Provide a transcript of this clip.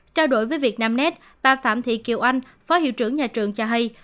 trao đổi với việt nam nét bà phạm thị kiều anh phó hiệu trưởng nhà trường cho hay